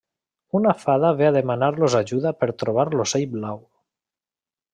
Una fada ve a demanar-los ajuda per trobar l'ocell blau.